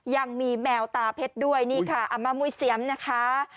ยังมีแมวตาเพชรด้วยนี่ค่ะอามามุยเซียมนะคะ